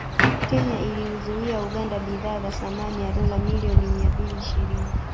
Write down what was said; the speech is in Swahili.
Kenya iliiuzia Uganda bidhaa za thamani ya dola milioni mia mbili ishirini